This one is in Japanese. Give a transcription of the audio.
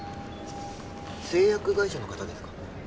製薬会社の方ですか？